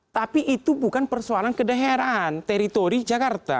tapi itu bukan persoalan kedeheran teritori jakarta